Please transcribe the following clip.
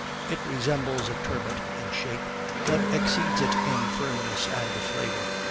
It resembles a turbot in shape, but exceeds it in firmness and flavor.